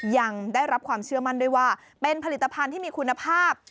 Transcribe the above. ยังได้รับความเชื่อมั่นด้วยว่าเป็นผลิตภัณฑ์ที่มีคุณภาพ